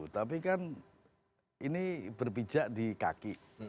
tapi kan ini berpijak di kaki